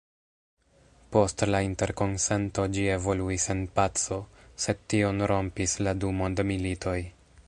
Post la Interkonsento ĝi evoluis en paco, sed tion rompis la du mondmilitoj.